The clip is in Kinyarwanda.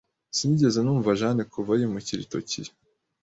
Sinigeze numva Jane kuva yimukira i Tokiyo.